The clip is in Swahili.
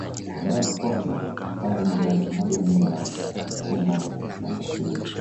kwa mara ya kwanza tangu mwaka elfu moja mia kenda na tisini